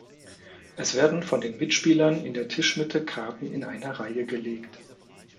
Es werden von den Mitspielern in der Tischmitte Karten in eine Reihe gelegt.